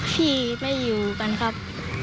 ที่ไม่อยู่กันครับ